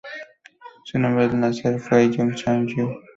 Su nombre al nacer fue Yun Sang-gyu.